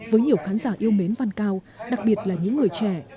với nhiều khán giả yêu mến văn cao đặc biệt là những người trẻ